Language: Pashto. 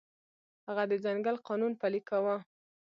هغه د ځنګل قانون پلی کاوه.